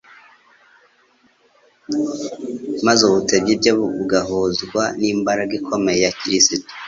maze ubutebyi bwe bugahuzwa n'imbaraga ikomeye ya Kristo.